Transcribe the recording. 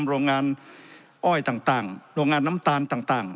โรงงานอ้อยต่างต่างโรงงานน้ำตาลต่างต่าง